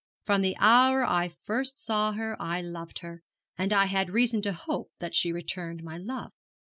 From the hour I first saw her I loved her, and I had reason to hope that she returned my love.